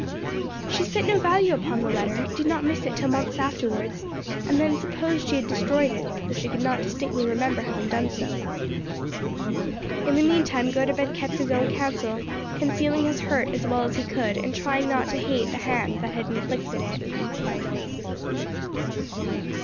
She set no value upon the letter; did not miss it till months afterwards, and then supposed she had destroyed it, though she could not distinctly remember having done so. In the meantime Gotobed kept his own counsel, concealing his hurt as well as he could and trying not to hate the hand that had inflicted it.